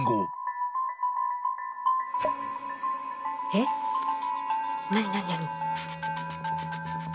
えっ何何何？